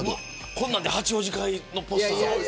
こんなんで八王子会のポスター。